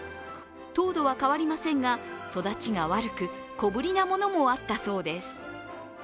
糖度は変わりませんが、育ちが悪く、小ぶりなものもあったそうです。